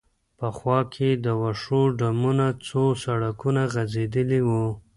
په خوا کې د وښو ډمونه، څو سړکونه غځېدلي و.